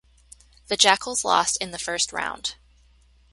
The Jackals lost in the first round.